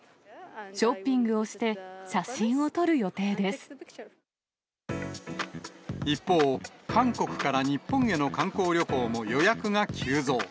ショッピングをして、写真を撮る一方、韓国から日本への観光旅行も予約が急増。